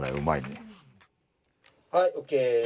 はいＯＫ！